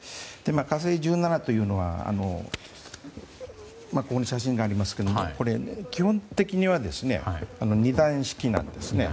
「火星１７」というのはここに写真がありますけども基本的には、２段式です。